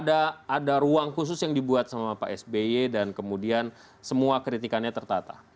ada ruang khusus yang dibuat sama pak sby dan kemudian semua kritikannya tertata